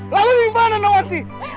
lalu dimana nawansi